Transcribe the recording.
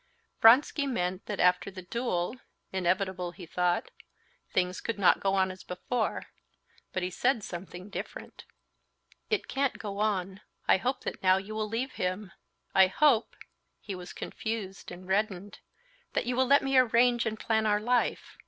Vronsky meant that after the duel—inevitable, he thought—things could not go on as before, but he said something different. "It can't go on. I hope that now you will leave him. I hope"—he was confused, and reddened—"that you will let me arrange and plan our life.